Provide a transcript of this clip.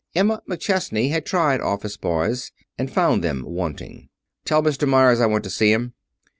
Emma McChesney had tried office boys, and found them wanting. "Tell Mr. Meyers I want to see him."